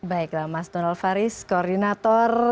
baiklah mas donald faris koordinator